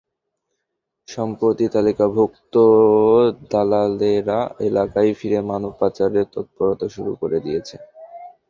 সম্প্রতি তালিকাভুক্ত দালালেরা এলাকায় ফিরে মানব পাচারের তৎপরতা শুরু করে দিয়েছে।